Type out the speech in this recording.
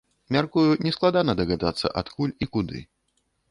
Мяркую, нескладана здагадацца, адкуль і куды.